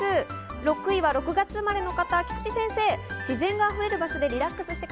６位は６月生まれの方、菊地先生です。